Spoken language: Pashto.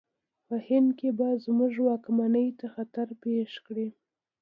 په هند کې به زموږ واکمنۍ ته خطر پېښ کړي.